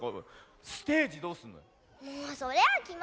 ステージどうすんの？